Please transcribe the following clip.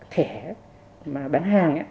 thẻ mà bán hàng